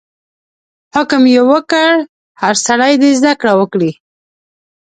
حکم یې وکړ هر څوک دې زده کړه کوي.